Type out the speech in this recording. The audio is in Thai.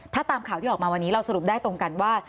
ถ้าตามข่าวที่ออกมาวันนี้เราสรุปได้ตรงกันว่า